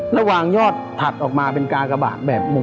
แล้ววางยอดถัดออกมาเป็นกากบาดแบบมุม